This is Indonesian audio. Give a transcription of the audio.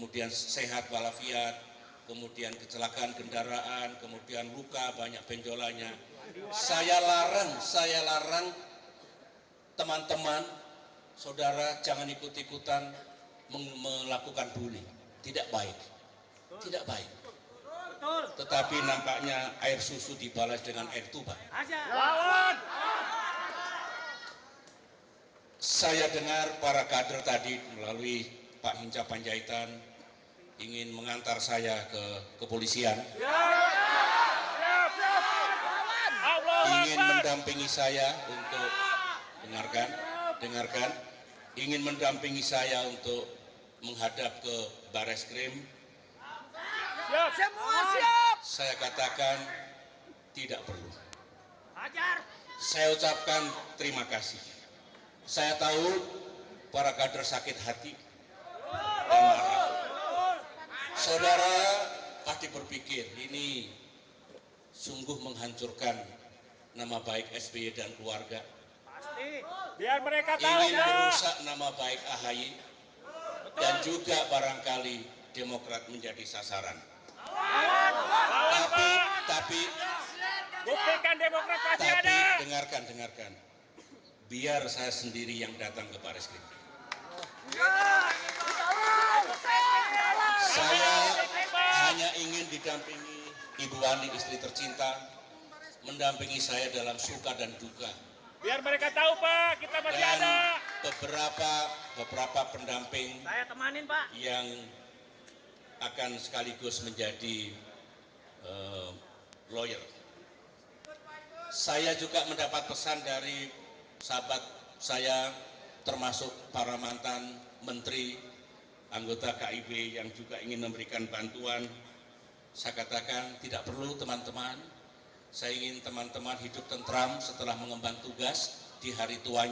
dan saya masih percaya kepada presiden republik indonesia